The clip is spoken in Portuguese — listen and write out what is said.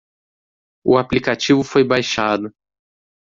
O aplicativo foi baixado.